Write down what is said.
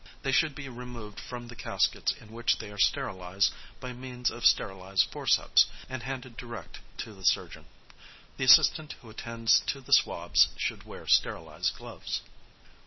They should be removed from the caskets in which they are sterilised by means of sterilised forceps, and handed direct to the surgeon. The assistant who attends to the swabs should wear sterilised gloves.